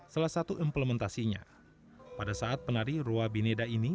salah satu implementasinya pada saat penari rua bineda ini